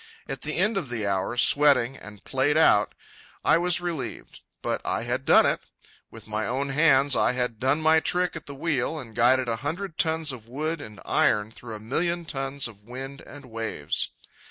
At the end of the hour, sweating and played out, I was relieved. But I had done it! With my own hands I had done my trick at the wheel and guided a hundred tons of wood and iron through a few million tons of wind and waves.